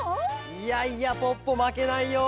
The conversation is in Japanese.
いやいやポッポまけないよ！